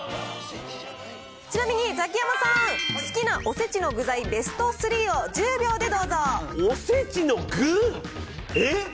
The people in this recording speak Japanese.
ちなみにザキヤマさん、好きなおせちの具材ベスト３を１０秒でどおせちの具？